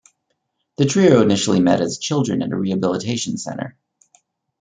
The trio initially met as children at a rehabilitation center.